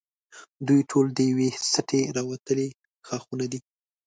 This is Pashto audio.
دوی ټول د یوې سټې راوتلي ښاخونه دي.